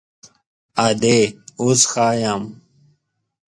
_ادې، اوس ښه يم.